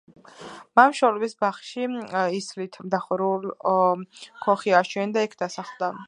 მან მშობლების ბაღში ისლით დახურული ქოხი ააშენა და იქ დასახლდა.